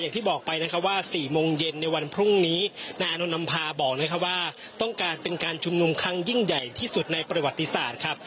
อย่างที่บอกไปนะครับว่า๔โมงเย็นในวันพรุ่งนี้นายอานนท์นำพาบอกนะครับว่าต้องการเป็นการชุมนุมครั้งยิ่งใหญ่ที่สุดในประวัติศาสตร์ครับ